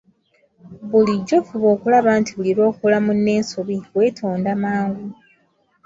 Bulijjo fuba okulaba nti buli lw'okola munno ensobi weetonda mangu.